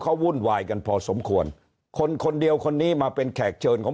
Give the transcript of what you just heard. เขาวุ่นวายกันพอสมควรคนคนเดียวคนนี้มาเป็นแขกเชิญของ